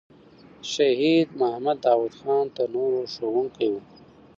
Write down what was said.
شهید محمد داود خان تر نورو ښوونکی وو.